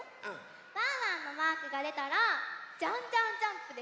ワンワンのマークがでたら「じゃんじゃん！ジャンプ！！」です。